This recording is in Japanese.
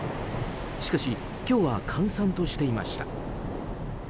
しかし今日は閑散としていました。